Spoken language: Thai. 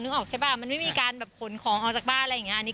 นึกออกไหมมันไม่มีการขนของออกออกจากบ้านอะไรอย่างนี้